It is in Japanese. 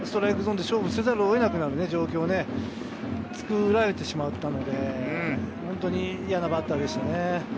ストライクゾーンで勝負せざるを得なくなる状況を作られてしまったので、本当に嫌なバッターでしたね。